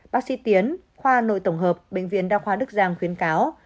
bác sĩ tiến khoa nội tổng hợp bệnh viện đa khoa đức giang khuyến cáo